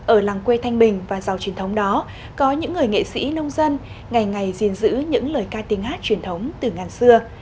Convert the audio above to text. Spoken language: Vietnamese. ở làng quê thanh bình và giàu truyền thống đó có những người nghệ sĩ nông dân ngày ngày gìn giữ những lời ca tiếng hát truyền thống từ ngàn xưa